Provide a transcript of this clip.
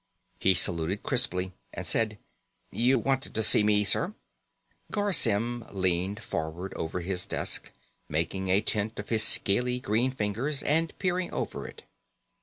He saluted crisply and said: "You wanted to see me, sir?" Garr Symm leaned forward over his desk, making a tent of his scaly green fingers and peering over it.